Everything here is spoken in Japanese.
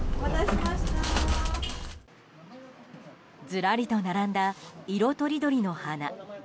ずらりと並んだ色とりどりの花。